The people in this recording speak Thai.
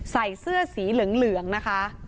ใส่เสื้อสีเหลืองนะคะ